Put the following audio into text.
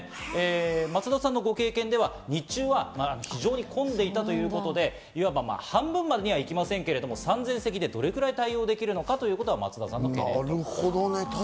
松田さんのご経験では日中は非常に混んでいたということで、半分までとはいきませんけど、３０席でどれくらい対応できるのかということです。